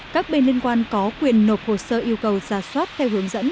các bên liên quan có quyền nộp hồ sơ yêu cầu giả soát theo hướng dẫn